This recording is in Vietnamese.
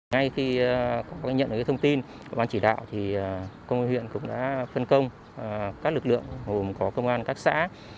ngay khi có nhận được thông tin của bàn chỉ đạo thì công an huyện cũng đã phân công các lực lượng hồn có công an các xã